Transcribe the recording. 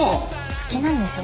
好きなんでしょ？